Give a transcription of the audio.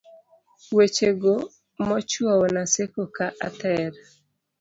weche go mochuowo Naseko ka ather